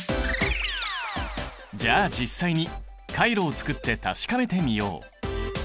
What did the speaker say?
じゃあ実際にカイロをつくって確かめてみよう！